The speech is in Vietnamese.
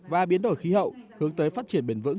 và biến đổi khí hậu hướng tới phát triển bền vững